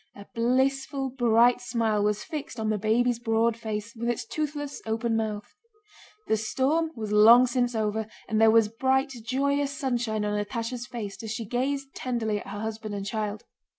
A blissful bright smile was fixed on the baby's broad face with its toothless open mouth. The storm was long since over and there was bright, joyous sunshine on Natásha's face as she gazed tenderly at her husband and child.